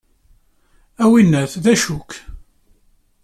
A winnat d acu-k?